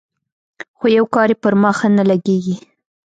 خو يو کار يې پر ما ښه نه لګېږي.